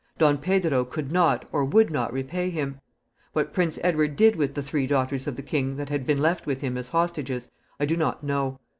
Don Pedro could not or would not repay him. What Prince Edward did with the three daughters of the king that had been left with him as hostages I do not know.